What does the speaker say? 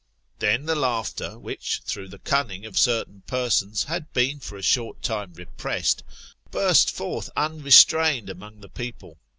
Then the laughter which, through the cunning of certain persons, had been for a short time repressed, burst forth unrestrained among the people.